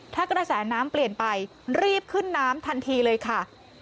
ถ้ากระแสน้ำเปลี่ยนไปรีบขึ้นน้ำทันทีเลยค่ะ